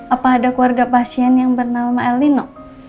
apa ada keluarga pasien yang bernama elino